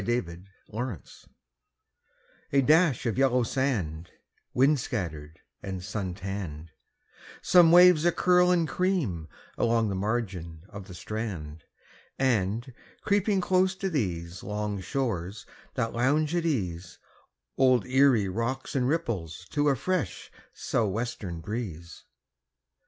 ERIE WATERS A dash of yellow sand, Wind scattered and sun tanned; Some waves that curl and cream along the margin of the strand; And, creeping close to these Long shores that lounge at ease, Old Erie rocks and ripples to a fresh sou' western breeze.